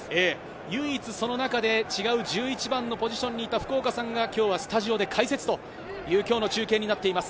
唯一、その中で１１番のポジションにいた福岡さんが今日はスタジオで解説という今日の中継になっています。